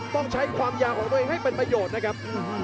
ต้องใช้ความยาวของตัวเองให้เป็นประโยชน์นะครับ